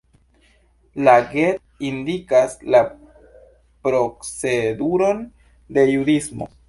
La Get indikas la proceduron en judismo.